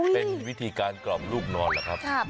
เป็นวิธีการกล่อมลูกนอนล่ะครับ